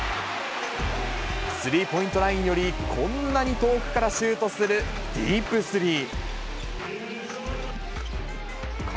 スリーポイントラインよりこんなに遠くからシュートするディープスリー。